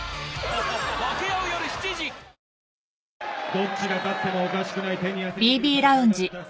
どっちが勝ってもおかしくない手に汗握る戦いだった。